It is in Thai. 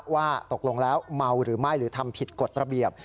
ว่าตกลงแล้วเมาหรือไม่หรือทำผิดกฎระเบียบ